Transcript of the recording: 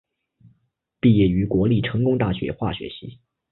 毕业于国立成功大学化学系。